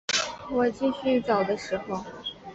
我继续走的时候